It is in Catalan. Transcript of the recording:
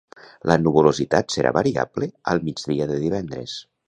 La nuvolositat serà variable al migdia de divendres.